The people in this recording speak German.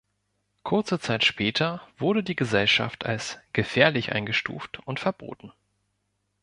Kurze Zeit später wurde die Gesellschaft als „gefährlich“ eingestuft und verboten.